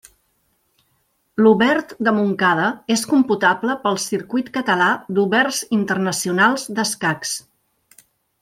L'Obert de Montcada és computable pel Circuit Català d'Oberts Internacionals d'Escacs.